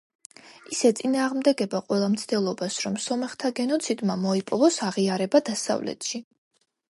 ის ეწინააღმდეგება ყველა მცდელობას, რომ სომეხთა გენოციდმა მოიპოვოს აღიარება დასავლეთში.